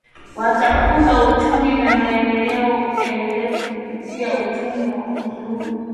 Watakuza uchumi na maendeleo endelevu kupitia uchumi wa buluu